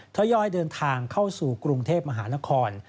ทยอยเดินทางเข้าสู่กรุงเทพมหานคร